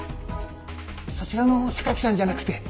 そちらの榊さんじゃなくて。